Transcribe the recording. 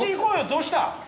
どうした？